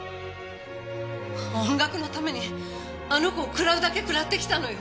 音楽のためにあの子を食らうだけ食らってきたのよ。